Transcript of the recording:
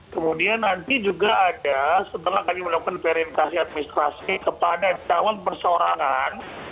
kemudian nanti juga ada setelah kami melakukan verifikasi administrasi kepada calon persorangan